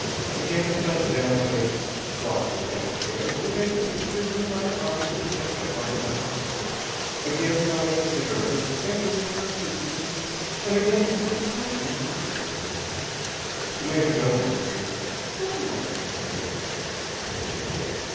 Again he sank down in a softly padded chair and surveyed the pictures and the minor objects of decadent art about him. Again he lighted a cigarette with every appearance of ease, and again had the impression of eyes upon him. The major domo appeared, somewhat agitated.